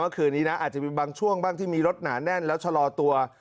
คืนนี้นะอาจจะมีบางช่วงบ้างที่มีรถหนาแน่นแล้วชะลอตัว